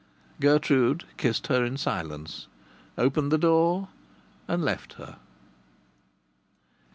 Gertrude kissed her in silence, opened the door, and left her.